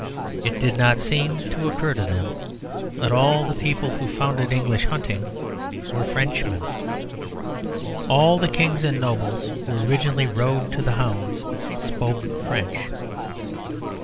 It did not seem to occur to them that all the people who founded English hunting were Frenchmen. All the Kings and nobles who originally rode to hounds spoke French.